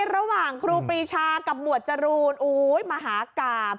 ระหว่างครูปีชากับหมวดจรูนโอ๊ยมหากราบ